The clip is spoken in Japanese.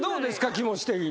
気持ち的に。